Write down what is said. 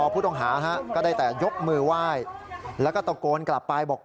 ผู้ต้องหาก็ได้แต่ยกมือไหว้แล้วก็ตะโกนกลับไปบอก